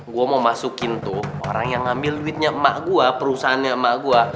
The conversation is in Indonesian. gue mau masukin tuh orang yang ngambil duitnya emak gue perusahaannya emak gue